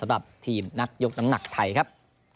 สำหรับทีมนักยกน้ำหนักไทยครับ